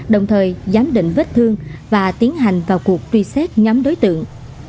đồng thời giám định vết thương và tiến hành vào cuộc truy xét nhóm đối tượng